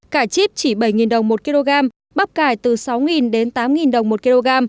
cải chíp chỉ bảy đồng một kg bắp cải từ sáu tám đồng một kg